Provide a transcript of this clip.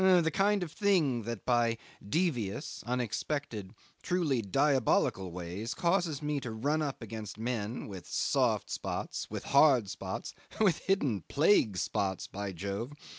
the kind of thing that by devious, unexpected, truly diabolical ways causes me to run up against men with soft spots, with hard spots, with hidden plague spots, by Jove!